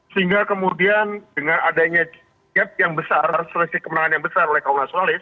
sehingga kemudian dengan adanya gap yang besar selisih kemenangan yang besar oleh kaum mas walid